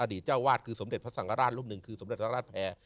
เจ้าวาดคือสมเด็จพระสังฆราชรูปหนึ่งคือสมเด็จพระราชแพร